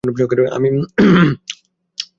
আমি একটা ছুরি নিয়ে তার সামনে দৌড়ে গেলাম।